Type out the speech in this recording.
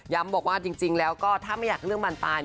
ย้ำบอกว่าจริงแล้วก็ถ้าไม่อยากเลือกบรรตาย